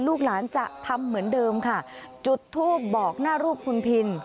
ลูกหลานจะทำเหมือนเดิมค่ะจุดทูปบอกหน้ารูปคุณพิน